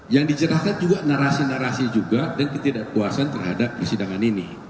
yang dijerahkan juga narasi narasi juga dan ketidakpuasan terhadap persidangan ini